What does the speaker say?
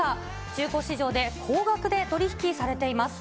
中古市場で高額で取り引きされています。